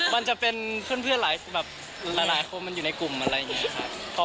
มันจะเป็นเพื่อนหลายแบบหลายคนมันอยู่ในกลุ่มอะไรอย่างนี้ครับ